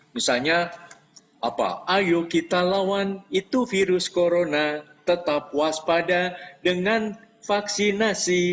misalnya ayo kita lawan itu virus corona tetap waspada dengan vaksinasi